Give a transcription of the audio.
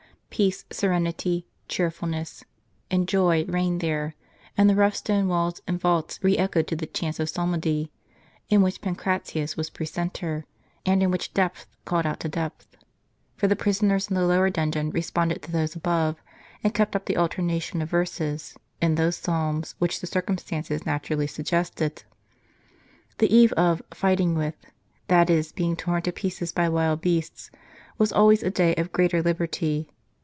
Peace, serenity, cheerMness, and joy reigned there ; and the rough stone walls and vaults re echoed to the chant of psalmody, in which Pancratius was pre centor, and in which depth called out to depth; for the prisoners in the lower dungeon responded to those above, and kept up the alterna tion of verses, in those psalms which the circumstances natu rally suggested. The eve of " fighting with," that is being torn to pieces by, wild beasts, was always a day of greater liberty.